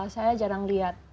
saya jarang lihat